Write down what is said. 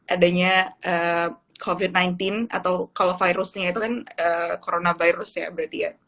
adanya covid sembilan belas atau kalau virusnya itu kan coronavirus ya berarti ya